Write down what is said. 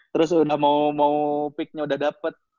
terus udah mau peaknya udah dapet